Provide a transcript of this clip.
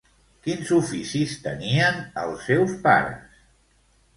Quins oficis tenien els seus pares?